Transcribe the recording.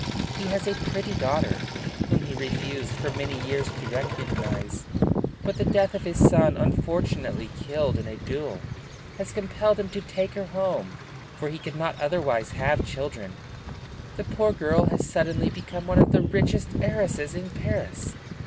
He has a pretty daughter, whom he refused for many years to recognize; but the death of his son, unfortunately killed in a duel, has compelled him to take her home, for he could not otherwise have children. The poor girl has suddenly become one of the richest heiresses in Paris.